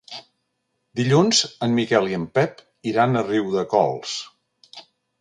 Dilluns en Miquel i en Pep iran a Riudecols.